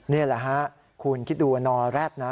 นี่แหละฮะคุณคิดดูนอแร็ดนะ